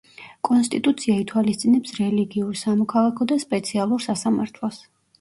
კონსტიტუცია ითვალისწინებს რელიგიურ, სამოქალაქო და სპეციალურ სასამართლოს.